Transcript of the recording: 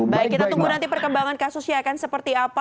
baik kita tunggu nanti perkembangan kasusnya akan seperti apa